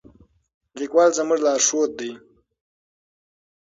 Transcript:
لیکوال زموږ لارښود دی.